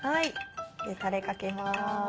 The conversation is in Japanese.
タレかけます。